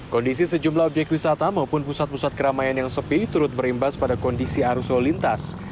kondisi sejumlah objek wisata maupun pusat pusat keramaian yang sepi turut berimbas pada kondisi arus lalu lintas